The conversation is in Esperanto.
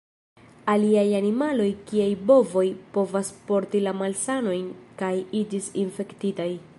Aliaj animaloj kiaj bovoj povas porti la malsanojn kaj iĝis infektitaj.